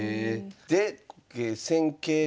で戦型が？